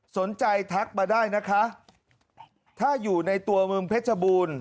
สนใจทักมาได้นะคะถ้าอยู่ในตัวเมืองเพชรบูรณ์